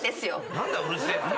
何だうるせえって。